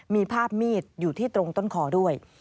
มีภาพมีดอยู่ที่ตรงต้นคอด้วย